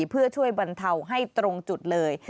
เพื่อช่วยบรรเทาให้ตรงจุดเลย